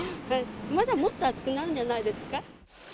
まだもっと暑くなるんじゃないですか。